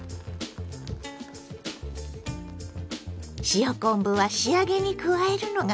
塩昆布は仕上げに加えるのがポイント。